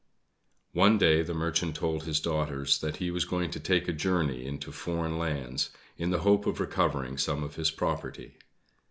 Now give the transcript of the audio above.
One day the Merchant told his daughters that he was going to take a journey into foreign lands in the hope of recovering some of his property.